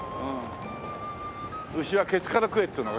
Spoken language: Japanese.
牛はケツから食えっていうのか？